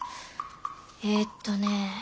えっとね。